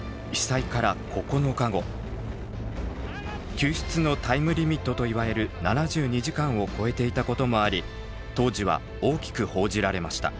救出のタイムリミットといわれる７２時間を超えていたこともあり当時は大きく報じられました。